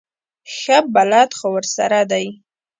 ښه بلد خو ورسره دی.